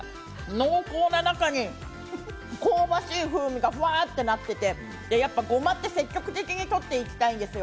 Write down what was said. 濃厚な中に香ばしい風味がふわってなってて、やっぱりごまって積極的にとっていきたいんですよ。